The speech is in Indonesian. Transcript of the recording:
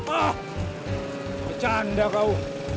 ah bercanda kau